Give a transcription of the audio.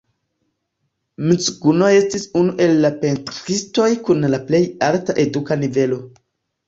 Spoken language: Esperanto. Mzuguno estis unu el la pentristoj kun la plej alta eduka nivelo.